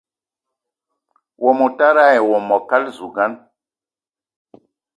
Wo motara ayi wo mokal zugan